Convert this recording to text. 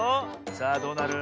さあどうなる？